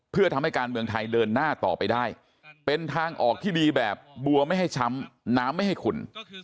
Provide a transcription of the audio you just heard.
เพื่อทำให้การเมืองไทยเดินหน้าต่อไปได้เป็นทางออกที่ดีแบบบัวไม่ให้ช้ำน้ำไม่ให้ขุ่น